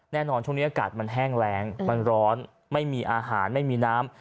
ช่วงนี้อากาศมันแห้งแรงมันร้อนไม่มีอาหารไม่มีน้ำ